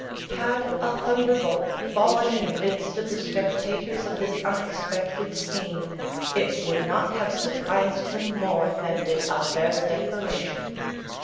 Had a thunderbolt fallen in the midst of the spectators of this unexpected scene, it would not have surprised them more than did Albert's declaration.